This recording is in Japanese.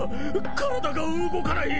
体が動かない！